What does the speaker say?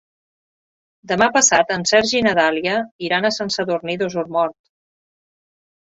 Demà passat en Sergi i na Dàlia iran a Sant Sadurní d'Osormort.